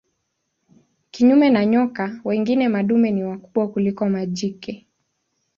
Kinyume na nyoka wengine madume ni wakubwa kuliko majike.